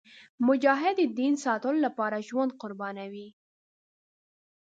مجاهد د دین ساتلو لپاره ژوند قربانوي.